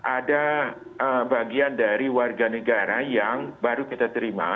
ada bagian dari warga negara yang baru kita terima